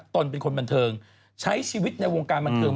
ตนเป็นคนบันเทิงใช้ชีวิตในวงการบันเทิง